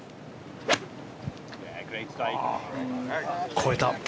越えた。